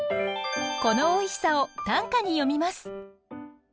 このおいしさを短歌に詠みます。